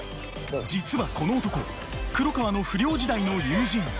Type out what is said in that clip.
実はこの男黒川の不良時代の友人。